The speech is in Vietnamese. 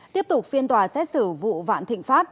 tiếp tục phiên tòa xét xử vụ vạn thịnh pháp